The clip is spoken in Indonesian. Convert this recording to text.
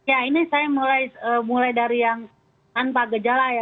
ya ini saya mulai dari yang tanpa gejala ya